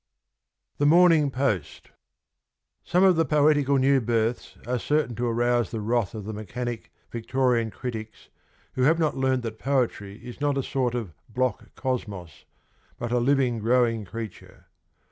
THE MORNING POST. Some of the poetical new births are certain to arouse the wrath of the mechanic, Victorian critics who have not learnt that poetry is not a sort of block cosmos but a living, growing creature.